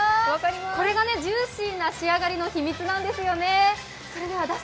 これがジューシーな仕上がりの秘密なんですよね。